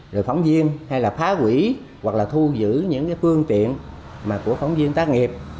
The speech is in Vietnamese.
rồi phóng viên hay là phá quỷ hoặc là thu giữ những phương tiện của phóng viên tác nghiệp